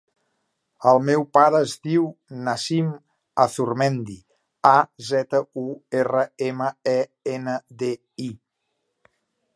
El meu pare es diu Nassim Azurmendi: a, zeta, u, erra, ema, e, ena, de, i.